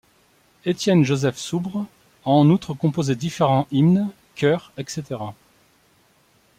Étienne Joseph Soubre a en outre composé différents hymnes, chœurs, etc.